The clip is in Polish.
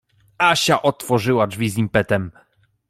Asia otworzyła drzwi z impetem.